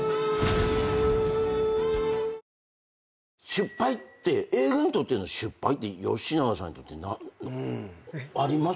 失敗って映画にとっての失敗って吉永さんにとってあります？